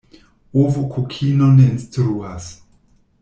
Ovo kokinon ne instruas.